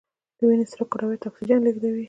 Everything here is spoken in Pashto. د وینې سره کرویات اکسیجن لیږدوي